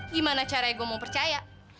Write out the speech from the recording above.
gimana caranya gue mau percaya